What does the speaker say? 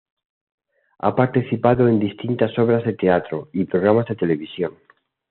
Ha participado en distintas obras de teatro y programas de televisión.